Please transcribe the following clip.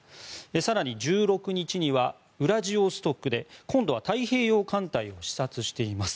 更に１６日にはウラジオストクで今度は太平洋艦隊を視察しています。